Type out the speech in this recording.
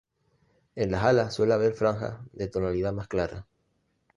En las alas suele haber franjas de tonalidad más clara.